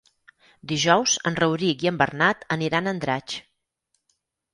Dijous en Rauric i en Bernat aniran a Andratx.